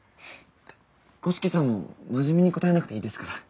五色さんも真面目に答えなくていいですから。